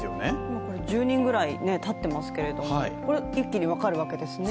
今これ、１０人ぐらい立っていますけれどもこれ、一気に分かるわけですね？